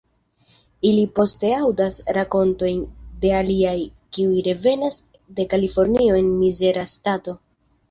Ili poste aŭdas rakontojn de aliaj kiuj revenas de Kalifornio en mizera stato.